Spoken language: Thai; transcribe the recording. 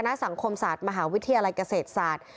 สังคมศาสตร์มหาวิทยาลัยเกษตรศาสตร์